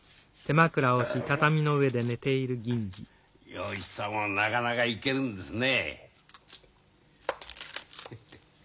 洋一さんもなかなかいけるんですねえ。